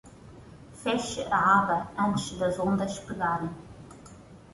Feche a aba antes das ondas pegarem.